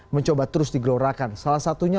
mencoba terus digelorakan salah satunya